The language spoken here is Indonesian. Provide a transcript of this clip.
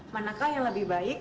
manakah yang lebih baik